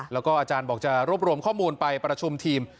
แล้วก็อาจารย์บอกจะรวบรวมข้อมูลไปประชุมทีม